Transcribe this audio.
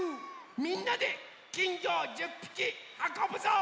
みんなできんぎょを１０ぴきはこぶぞ！